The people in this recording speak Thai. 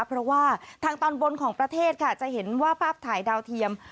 เพราะว่าทางตอนบนของประเทศค่ะจะเห็นว่าภาพถ่ายดาวเทียม